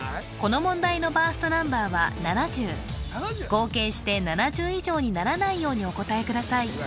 この問題のバーストナンバーは７０合計して７０以上にならないようにお答えください